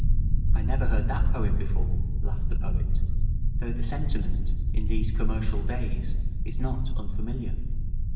'" "I never heard that poem before," laughed the Poet, "though the sentiment in these commercial days is not unfamiliar."